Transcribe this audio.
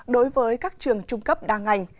đối với các trường trung cấp đa ngành